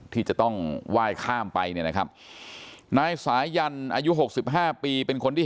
ที่จะต้องไหว้ข้ามไปเนี่ยนะครับนายสายันอายุ๖๕ปีเป็นคนที่